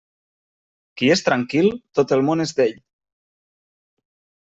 Qui és tranquil, tot el món és d'ell.